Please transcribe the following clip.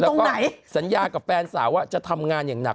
แล้วก็สัญญากับแฟนสาวว่าจะทำงานอย่างหนัก